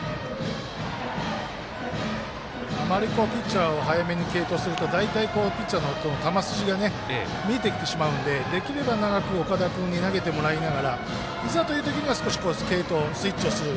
あまりピッチャーを早めに継投すると大体、ピッチャーの球筋が見えてきてしまうのでできれば、長く岡田君に投げてもらいながらいざという時には継投スイッチをする。